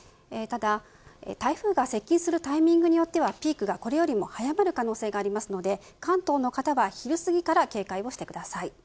ただ台風が接近するタイミングによってはピークがこれよりも早まる可能性がありますので関東の方は昼すぎから警戒をしてください。